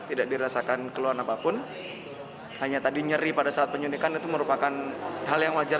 tidak dirasakan keluhan apapun hanya tadi nyeri pada saat penyuntikan itu merupakan hal yang wajar